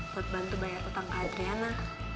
buat bantu bayar utang ke adriana